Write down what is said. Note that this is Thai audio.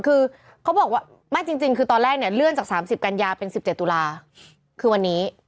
คือเขาบอกว่าไม่จริงคือตอนแรกเนี่ยเลื่อนจาก๓๐กันยาเป็น๑๗ตุลาคือวันนี้